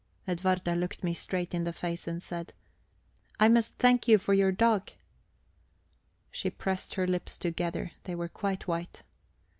Edwarda looked me straight in the face and said: "I must thank you for your dog." She pressed her lips together; they were quite white.